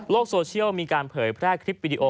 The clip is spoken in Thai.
โซเชียลมีการเผยแพร่คลิปวิดีโอ